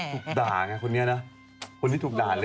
ถูกด่าไงคนนี้นะคนที่ถูกด่าเลย